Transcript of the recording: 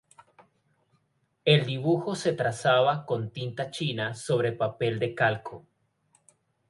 El dibujo se trazaba con tinta china sobre papel de calco.